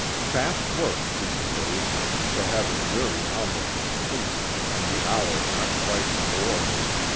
Fast work, she supposed, to have a jury almost complete, and the hour not quite four.